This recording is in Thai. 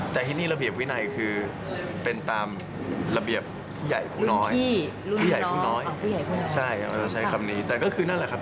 แต่ให้นี่ระเบียบวินัยคือเป็นตามระเบียบพี่ใหญ่ผู้น้อย